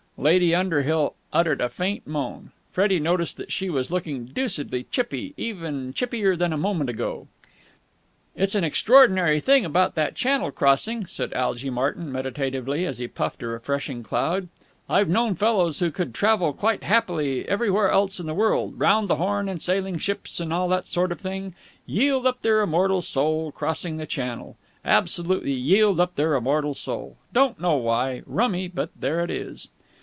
Lady Underhill uttered a faint moan. Freddie noticed that she was looking deucedly chippy, even chippier than a moment ago. "It's an extraordinary thing about that Channel crossing," said Algy Martyn meditatively, as he puffed a refreshing cloud. "I've known fellows who could travel quite happily everywhere else in the world round the Horn in sailing ships and all that sort of thing yield up their immortal soul crossing the Channel! Absolutely yield up their immortal soul! Don't know why. Rummy, but there it is!"